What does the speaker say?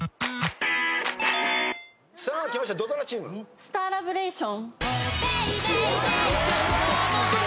『スターラブレイション』すご。